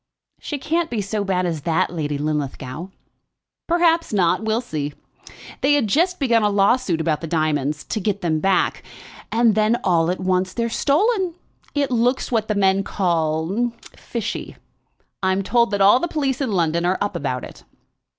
"She can't be so bad as that, Lady Linlithgow." "Perhaps not. We shall see. They had just begun a lawsuit about the diamonds, to get them back. And then all at once, they're stolen. It looks what the men call fishy. I'm told that all the police in London are up about it."